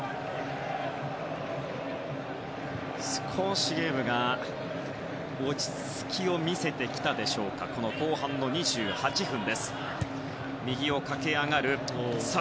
少しゲームが落ち着きを見せてきたでしょうか後半の２８分。